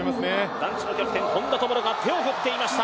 男子のキャプテン、本多灯が手を振っていました。